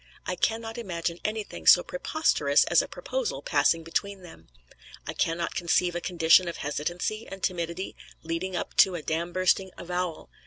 I can not imagine anything so preposterous as a "proposal" passing between them; I can not conceive a condition of hesitancy and timidity leading up to a dam bursting "avowal."